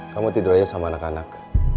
kamu tidur aja sama anak anak